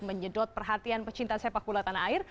menyedot perhatian pecinta sepak bola tanah air